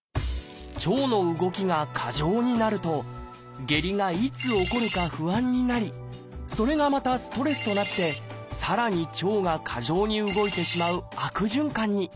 腸の動きが過剰になると下痢がいつ起こるか不安になりそれがまたストレスとなってさらに腸が過剰に動いてしまう悪循環に。